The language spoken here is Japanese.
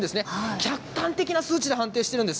客観的な数値で判定しているんです。